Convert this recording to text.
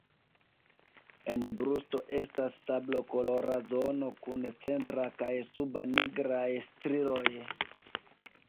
En brusto estas sablokolora zono kun centra kaj suba nigraj strioj.